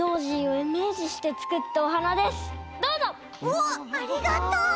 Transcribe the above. おっありがとう！